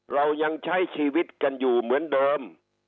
เรายังใช้ชีวิตกันอยู่เหมือนเดิม